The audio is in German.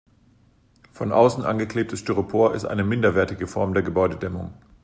Von außen angeklebtes Styropor ist eine minderwertige Form der Gebäudedämmung.